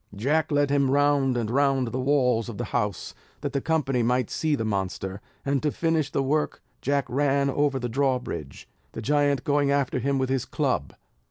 Jack led him round and round the walls of the house, that the company might see the monster; and to finish the work Jack ran over the drawbridge, the giant going after him with his club.